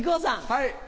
はい。